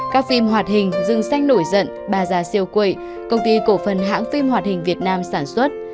các phim hoạt hình dương sách nổi dận bà già siêu quậy công ty cổ phần hãng phim hoạt hình việt nam sản xuất